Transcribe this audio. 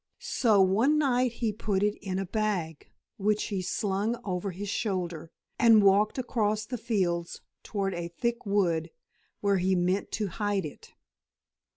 So one night he put it in a bag, which he slung over his shoulder, and walked across the fields toward a thick wood where he meant to hide it.